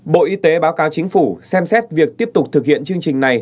bộ y tế báo cáo chính phủ xem xét việc tiếp tục thực hiện chương trình này